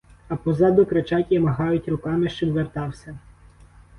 А позаду кричать і махають руками, щоб вертався.